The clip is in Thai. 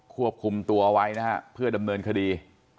ควบคุมตัวไว้นะฮะเพื่อดำเนินคดี